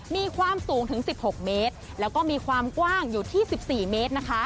มีความสูงถึง๑๖เมตรแล้วก็มีความกว้างอยู่ที่๑๔เมตรนะคะ